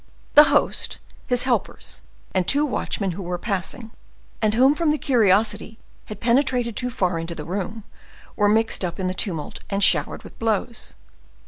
The host, his helpers, and two watchmen who were passing, and who from the curiosity had penetrated too far into the room, were mixed up in the tumult and showered with blows.